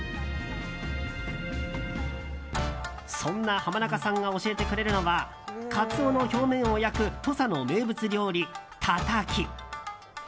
そんな浜中さんが教えてくれるのはカツオの表面を焼く土佐の名物料理、たたき。